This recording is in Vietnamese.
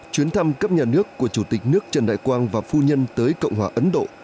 chuyến thăm cấp nhà nước của chủ tịch nước trần đại quang và phu nhân tới cộng hòa ấn độ